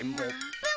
プン。